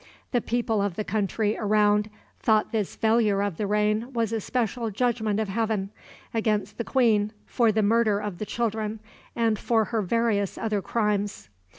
The people of the country around thought this failure of the rain was a special judgment of heaven against the queen for the murder of the children, and for her various other crimes.